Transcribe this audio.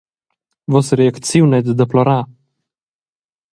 Vossa reacziun ei da deplorar.